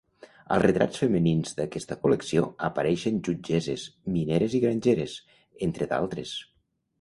Als retrats femenins d'aquesta col·lecció apareixien jutgesses, mineres i grangeres, entre d'altres.